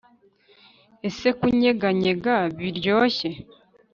ese kunyeganyega, biryoshye,